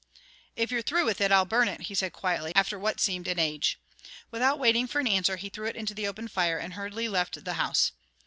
"If you're through with it, I'll burn it," he said quietly, after what seemed an age. Without waiting for an answer, he threw it into the open fire and hurriedly left the house.